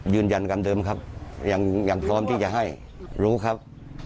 ยืนยันตามเดิมครับยังพร้อมที่จะให้รู้ครับ